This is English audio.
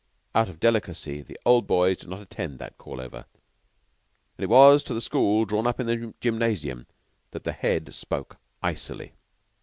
Out of delicacy the Old Boys did not attend that call over; and it was to the school drawn up in the gymnasium that the Head spoke icily.